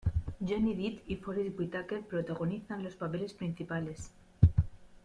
Johnny Depp y Forest Whitaker protagonizan los papeles principales.